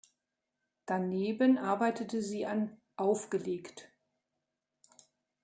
Daneben arbeitete sie an "Aufgelegt!